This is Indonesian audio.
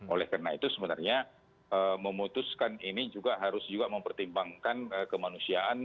oleh karena itu sebenarnya memutuskan ini juga harus juga mempertimbangkan kemanusiaan